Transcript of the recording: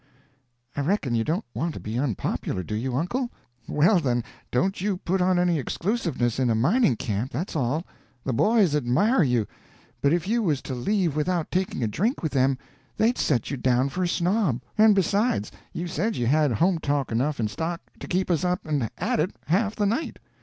"I reckon you don't want to be unpopular, do you, uncle? Well, then, don't you put on any exclusiveness in a mining camp, that's all. The boys admire you; but if you was to leave without taking a drink with them, they'd set you down for a snob. And, besides, you said you had home talk enough in stock to keep us up and at it half the night."